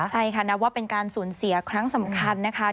ใช่ค่ะนับว่าเป็นการสูญเสียครั้งสำคัญนะคะ